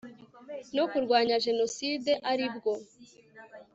no kurwanya jenoside aribwo